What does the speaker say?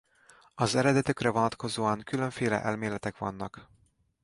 Az eredetükre vonatkozóan különféle elméletek vannak.